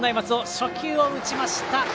初球を打ちました。